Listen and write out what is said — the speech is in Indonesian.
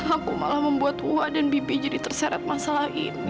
aku malah membuat wa dan bibi jadi terseret masalah ini